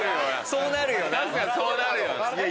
そうなるよな。